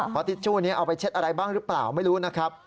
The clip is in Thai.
เพราะทิชชู่นี้เอาไปเช็ดอะไรบ้างหรือเปล่าไม่รู้นะครับ